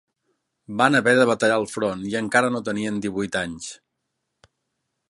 Van haver de batallar al front i encara no tenien divuit anys.